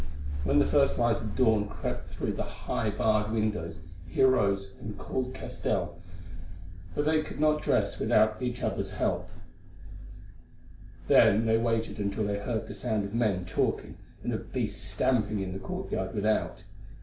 When the first light of dawn crept through the high barred windows, he arose and called Castell, for they could not dress without each other's help. Then they waited until they heard the sound of men talking and of beasts stamping in the courtyard without.